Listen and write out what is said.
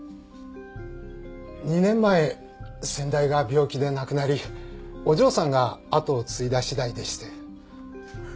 ２年前先代が病気で亡くなりお嬢さんが後を継いだ次第でして。